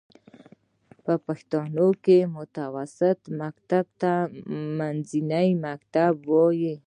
په پښتو کې متوسطه مکتب ته منځنی ښوونځی وايي.